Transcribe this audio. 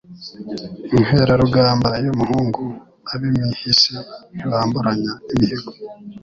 Inkerarugamba y' umuhungu ab, imihisi ntibamburanya imihigo